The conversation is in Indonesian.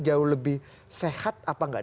jauh lebih sehat apa enggak